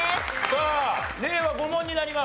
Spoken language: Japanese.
さあ令和５問になります。